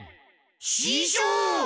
ししょう！